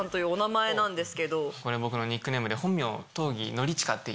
これ僕のニックネームで。